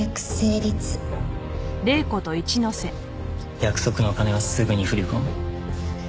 約束の金はすぐに振り込む。